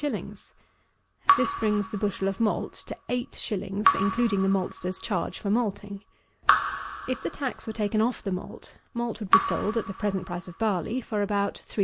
_ This brings the bushel of malt to 8_s._ including the maltster's charge for malting. If the tax were taken off the malt, malt would be sold, at the present price of barley, for about 3_s.